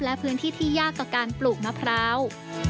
และพื้นที่ที่ยากต่อการปลูกมะพร้าว